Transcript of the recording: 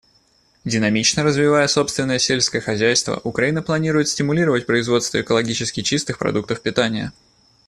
Динамично развивая собственное сельское хозяйство, Украина планирует стимулировать производство экологически чистых продуктов питания.